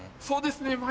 そうですね